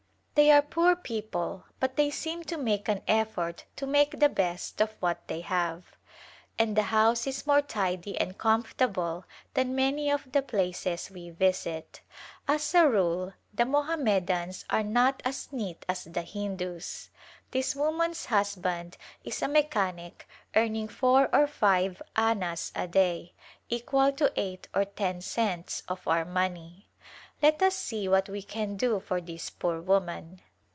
They are poor people but they seem to make an ef fort to make the best of what they have, and the house is more tidy and comfortable than many of the places we visit. As a rule the Mohammedans are not as neat as the Hindus. This woman's husband is a mechanic earning four or five anas a day, equal to eight or ten cents of our money. Let us see what we can do for this poor woman.